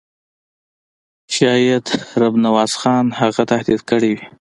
شاید رب نواز خان هغه تهدید کړی وي.